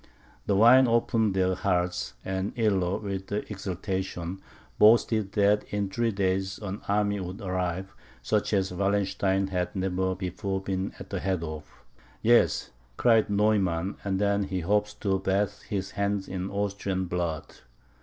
The wine opened their hearts, and Illo, with exultation, boasted that in three days an army would arrive, such as Wallenstein had never before been at the head of. "Yes," cried Neumann, "and then he hopes to bathe his hands in Austrian blood."